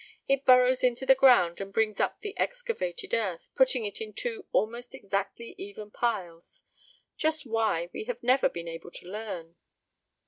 "It burrows into the ground, and brings up the excavated earth, putting it in two almost exactly even piles. Just why, we have never been able to learn."